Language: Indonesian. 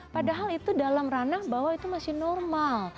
padahal itu dalam ranah bahwa itu masih normal